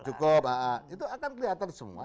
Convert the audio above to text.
cukup itu akan kelihatan semua